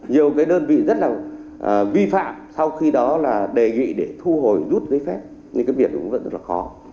nhiều cái đơn vị rất là vi phạm sau khi đó là đề nghị để thu hồi rút giấy phép thì cái việc cũng vẫn rất là khó